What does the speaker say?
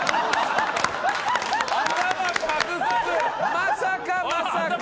まさかまさか。